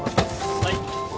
・はい。